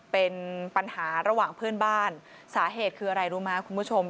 เป็นปัญหาระหว่างเพื่อนบ้านสาเหตุคืออะไรรู้ไหมคุณผู้ชม